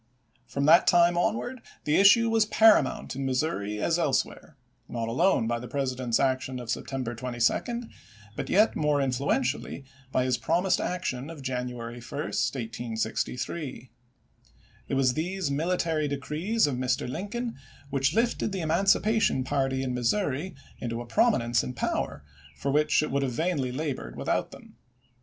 From that time onward the issue was paramount in Missouri as elsewhere ; not alone by the President's action of September 22, but yet more influentially by his promised action of Jan uary 1, 1863. It was these military decrees of Mr. Lincoln which lifted the emancipation party in Missouri into a prominence and power for which it would vainly have labored without them.